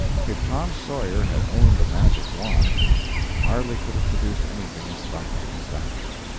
If Tom Sawyer had owned the magic wand, he hardly could have produced anything as startling as that.